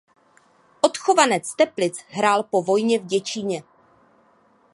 Odchovanec Teplic hrál po vojně v Děčíně.